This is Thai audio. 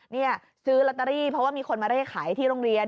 นี่ซื้อลอตเตอรี่เพราะว่ามีคนมาเร่ขายที่โรงเรียน